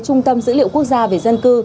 trung tâm dữ liệu quốc gia về dân cư